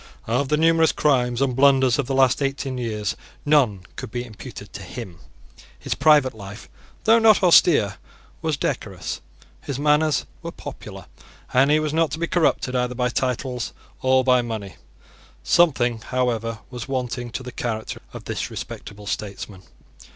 Of the numerous crimes and blunders of the last eighteen years none could be imputed to him. His private life, though not austere, was decorous: his manners were popular; and he was not to be corrupted either by titles or by money. Something, however, was wanting to the character of this respectable statesman.